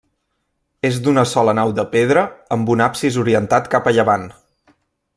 És d'una sola nau de pedra, amb un absis orientat cap a llevant.